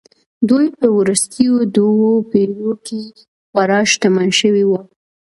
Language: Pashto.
دوی په وروستیو دوو پېړیو کې خورا شتمن شوي وو